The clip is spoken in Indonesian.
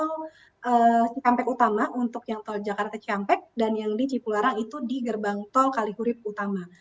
jadi yang yang di cikarapak utama untuk yang tol jakarta cikampek dan yang di cikularang itu di gerbang tol kalihurip utama